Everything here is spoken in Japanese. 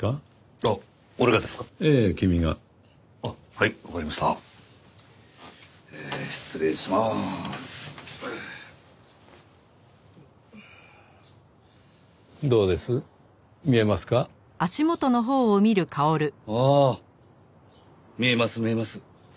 ああ見えます見えます。